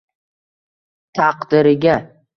taqdiriga